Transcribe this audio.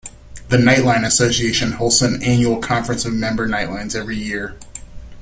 The Nightline Association hosts an annual conference of member Nightlines every year.